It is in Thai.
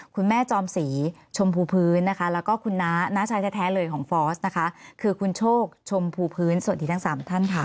จอมศรีชมพูพื้นนะคะแล้วก็คุณน้าน้าชายแท้เลยของฟอสนะคะคือคุณโชคชมพูพื้นสวัสดีทั้ง๓ท่านค่ะ